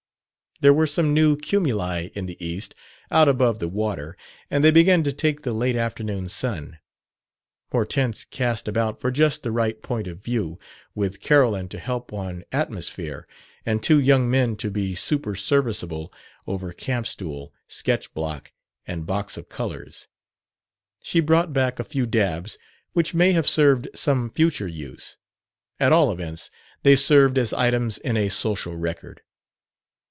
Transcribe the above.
There were some new cumuli in the east, out above the water, and they began to take the late afternoon sun. Hortense cast about for just the right point of view, with Carolyn to help on "atmosphere" and two young men to be superserviceable over campstool, sketch block and box of colors. She brought back a few dabs which may have served some future use; at all events they served as items in a social record.